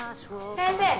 先生！